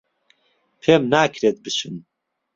پێم ناکرێت بچم